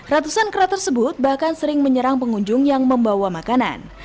ratusan kera tersebut bahkan sering menyerang pengunjung yang membawa makanan